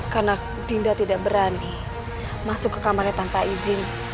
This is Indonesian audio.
karena dinda tidak berani masuk ke kamarnya tanpa izin